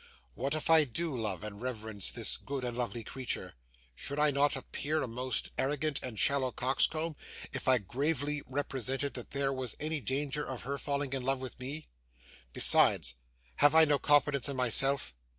What if I do love and reverence this good and lovely creature. Should I not appear a most arrogant and shallow coxcomb if I gravely represented that there was any danger of her falling in love with me? Besides, have I no confidence in myself?